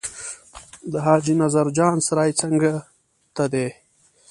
د حاجي نظر جان سرای څنګ ته دی.